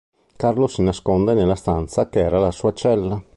Carlo si nasconde nella stanza che era la sua cella.